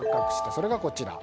それがこちら。